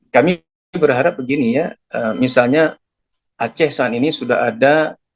kami berharap begini ya misalnya aceh saat ini sudah ada